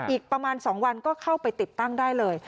อีกประมาณ๒วันก็เข้าไปติดตั้งได้เลย